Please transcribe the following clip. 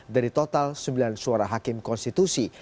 dari total sembilan suara hakim konstitusi